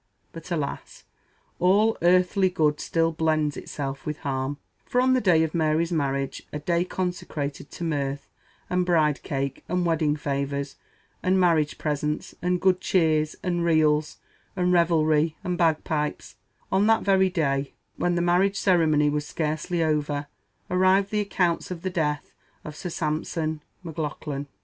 But, alas! "all earthly good still blends itself with harm," for on the day of Mary's marriage a day consecrated to mirth, and bride cake, and wedding favors, and marriage presents, and good cheer, and reels, and revelry, and bagpipes on that very day, when the marriage ceremony was scarcely over, arrived the accounts of the death of Sir Sampson Maclaughlan!